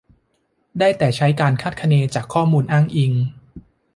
ได้แต่ใช้การคาดคะเนจากข้อมูลอ้างอิง